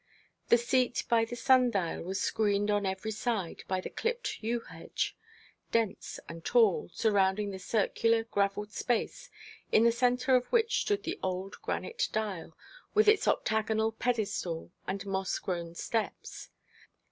The seat by the sundial was screened on every side by the clipped yew hedge, dense and tall, surrounding the circular, gravelled space, in the centre of which stood the old granite dial, with its octagonal pedestal and moss grown steps.